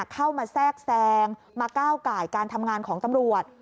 เข้ามาแทรกแซงมาก้าวไก่การทำงานของตำรวจ